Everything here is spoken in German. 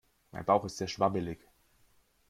Mein Bauch ist sehr schwabbelig.